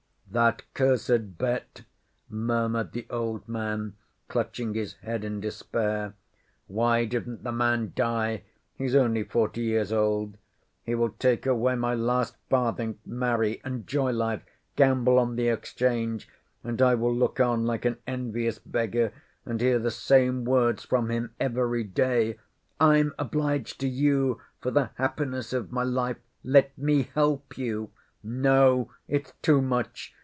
"That cursed bet," murmured the old man clutching his head in despair... "Why didn't the man die? He's only forty years old. He will take away my last farthing, marry, enjoy life, gamble on the Exchange, and I will look on like an envious beggar and hear the same words from him every day: 'I'm obliged to you for the happiness of my life. Let me help you.' No, it's too much!